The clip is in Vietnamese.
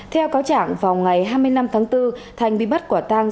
theo cáo trạng vào ngày hai mươi năm tháng bốn thành bị bắt quả tang